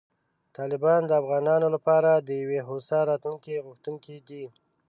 طالبان د افغانانو لپاره د یوې هوسا راتلونکې غوښتونکي دي.